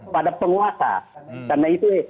pada penguasa karena itu